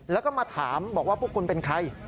แล้วก็มาถามบอกว่าพวกคุณเป็นใคร